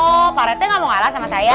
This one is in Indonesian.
oh pak rete gak mau ngalah sama saya